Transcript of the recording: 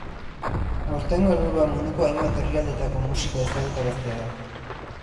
Aurtengo helburua munduko hainbat herrialdetako musika ezagutaraztea da.